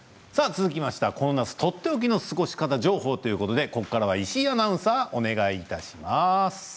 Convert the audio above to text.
続きましてはこの夏とっておきの過ごし方情報ということで石井アナウンサーお願いします。